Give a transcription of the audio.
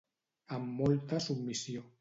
Amb molta submissió.